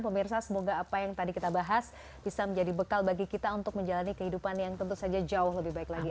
pemirsa semoga apa yang tadi kita bahas bisa menjadi bekal bagi kita untuk menjalani kehidupan yang tentu saja jauh lebih baik lagi